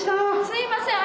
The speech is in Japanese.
すいません